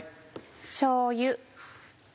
しょうゆ。